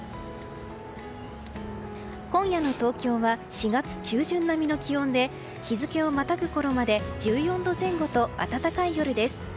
今夜の東京は４月中旬並みの気温で日付をまたぐころまで１４度前後と暖かい夜です。